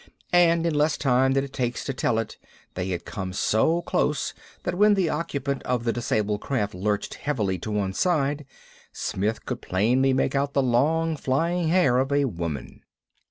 And in less time than it takes to tell it, they had come so close that when the occupant of the disabled craft lurched heavily to one side, Smith could plainly make out the long, flying hair of a woman.